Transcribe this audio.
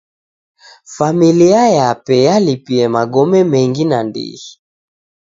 Familia yape yalipie magome mengi nandighi.